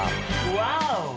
ワオ！